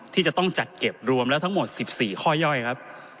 ที่จะต้องจัดเก็บรวมแล้วทั้งหมด๑๔ข้อย่อยครับ